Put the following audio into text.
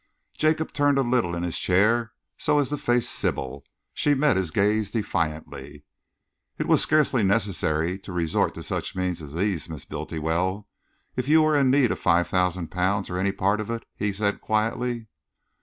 Jacob turned a little in his chair, so as to face Sybil. She met his gaze defiantly. "It was scarcely necessary to resort to such means as these, Miss Bultiwell, if you were in need of five thousand pounds, or any part of it," he said quietly.